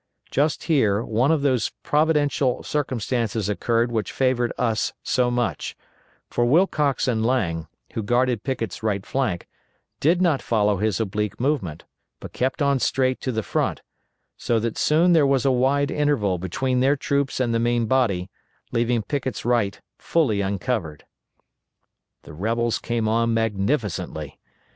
Just here one of those providential circumstances occurred which favored us so much, for Wilcox and Lang, who guarded Pickett's right flank, did not follow his oblique movement, but kept on straight to the front, so that soon there was a wide interval between their troops and the main body, leaving Pickett's right fully uncovered. The rebels came on magnificently.